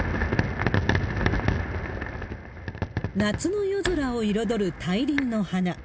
夏の夜空を彩る大輪の花。